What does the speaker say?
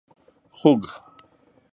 🐖 خوګ